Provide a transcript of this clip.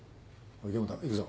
池本行くぞ。